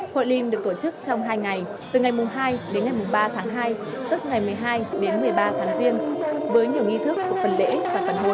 hội lim được tổ chức trong hai ngày từ ngày hai đến ngày ba tháng hai tức ngày một mươi hai đến một mươi ba tháng riêng với nhiều nghi thức phần lễ và phần hội